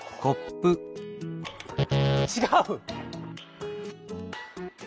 「ちがう！」。